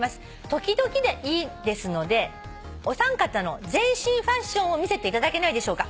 「時々でいいですのでお三方の全身ファッションを見せていただけないでしょうか」